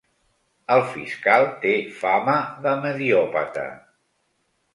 El fiscal té fama de mediòpata.